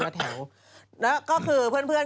โดดจากคนอื่นหมดเลย